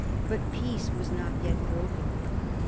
But peace was not yet broken.